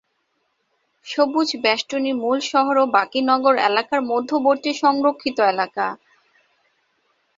সবুজ বেষ্টনী মূল শহর ও বাকি নগর এলাকার মধ্যবর্তী সংরক্ষিত এলাকা।